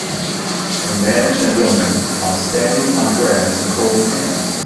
A man and a woman are standing on grass and holding hands.